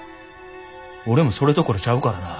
俺もそれどころちゃうからな。